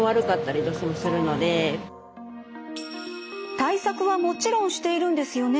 対策はもちろんしているんですよね？